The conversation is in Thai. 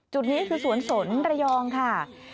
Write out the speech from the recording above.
จุดนี้คือสวนสนระยองค่ะ